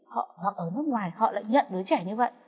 họ ở nước ngoài họ lại nhận đứa trẻ như vậy